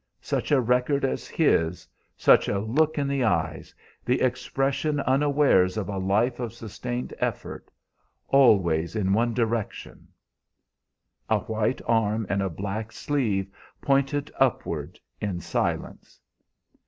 Such a record as his, such a look in the eyes, the expression unawares of a life of sustained effort always in one direction" A white arm in a black sleeve pointed upward in silence.